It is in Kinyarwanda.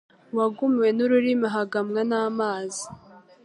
Uwagumiwe n’ururimi ahagamwa n’amazi